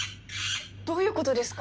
どういうことですか？